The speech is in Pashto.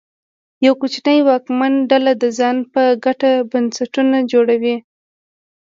یوه کوچنۍ واکمنه ډله د ځان په ګټه بنسټونه جوړوي.